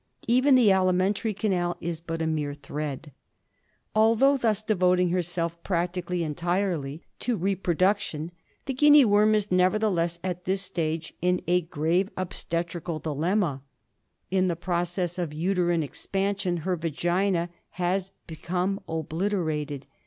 Even the alimentary canal is but a mere thread. Although thus devoting herself practically entirely to 32 GUINEA WORM. '— reproduction, the Guinea worm is nevertheless at this stage in a grave obstetrical dilemma. In the process of uterine expansion her vagina has become obliterated.